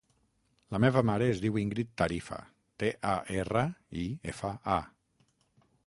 La meva mare es diu Íngrid Tarifa: te, a, erra, i, efa, a.